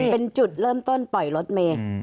เป็นจุดเริ่มต้นปล่อยรถเมย์